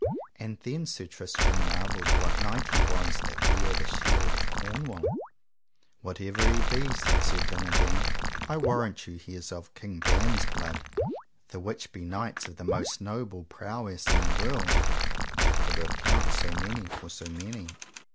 And then Sir Tristram marvelled what knight he was that bare the shield of Cornwall. Whatsoever he be, said Sir Dinadan, I warrant you he is of King Ban's blood, the which be knights of the most noble prowess in the world, for to account so many for so many.